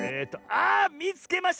あみつけました！